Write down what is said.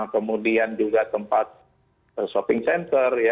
kemudian juga tempat shopping center